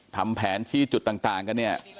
ทำแผนชี้จุดต่างกันเนี่ย